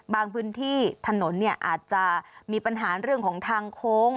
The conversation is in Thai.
พื้นที่ถนนเนี่ยอาจจะมีปัญหาเรื่องของทางโค้ง